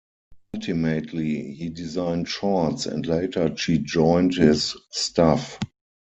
Ultimately, he designed shorts, and later she joined his staff.